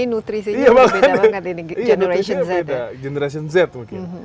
iya nutrisinya beda generation z mungkin